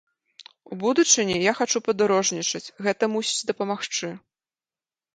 У будучыні я хачу падарожнічаць, гэта мусіць дапамагчы.